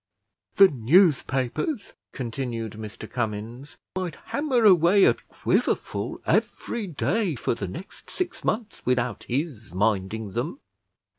"The newspapers," continued Mr Cummins, "might hammer away at Quiverful every day for the next six months without his minding them."